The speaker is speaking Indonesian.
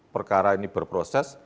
perkara ini berproses